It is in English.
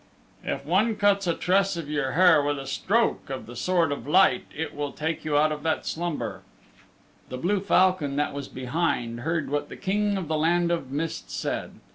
"If one cuts a tress of your hair with a stroke of the Sword of Light it will take you out of that slumber." The blue falcon that was behind heard what the King of the Land of Mist said.